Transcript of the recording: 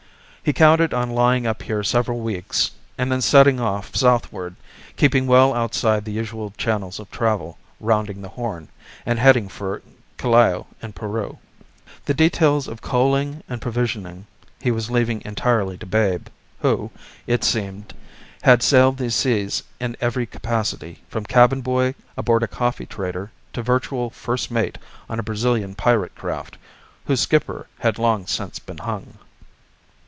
He counted on lying up here several weeks and then setting off southward, keeping well outside the usual channels of travel rounding the Horn and heading for Callao, in Peru. The details of coaling and provisioning he was leaving entirely to Babe who, it seemed, had sailed these seas in every capacity from cabin boy aboard a coffee trader to virtual first mate on a Brazillian pirate craft, whose skipper had long since been hung.